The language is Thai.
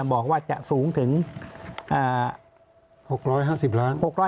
บอกว่าจะสูงถึง๖๕๐ล้าน